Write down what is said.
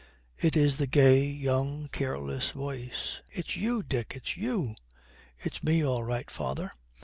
It is the gay, young, careless voice. 'It's you, Dick; it's you!' 'It's me all right, father.